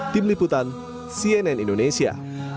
tim liputan cnn indonesia